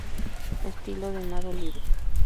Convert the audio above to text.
Estilo de nado libre.